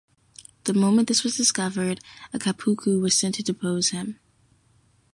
The moment this was discovered, a kapucu was sent to depose him.